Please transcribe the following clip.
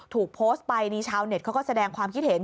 ถูกโพสต์ไปนี่ชาวเน็ตเขาก็แสดงความคิดเห็น